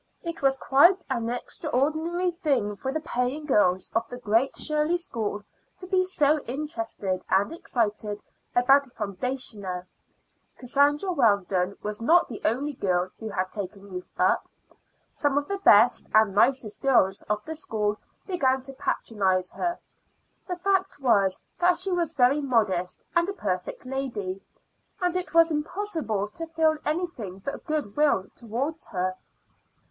It was quite an extraordinary thing for the paying girls of the Great Shirley School to be so interested and excited about a foundationer. Cassandra Weldon was not the only girl who had taken Ruth up; some of the best and nicest girls of the school began to patronize her. The fact was that she was very modest and a perfect lady, and it was impossible to feel anything but good will towards her.